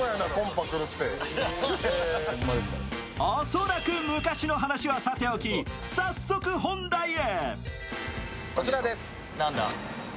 恐らく昔の話はさておき、早速本題へ。